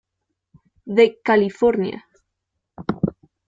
De California.